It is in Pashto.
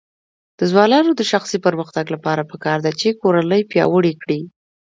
د ځوانانو د شخصي پرمختګ لپاره پکار ده چې کورنۍ پیاوړې کړي.